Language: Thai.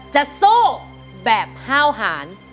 จะสู้แบบห้าวหาร